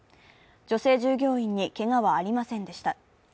女性従業員にけがはありませんでした。